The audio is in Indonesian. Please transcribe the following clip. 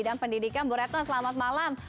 dan pendidikan bu retno selamat malam